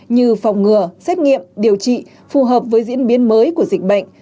như phòng ngừa xét nghiệm điều trị phù hợp với diễn biến mới của dịch bệnh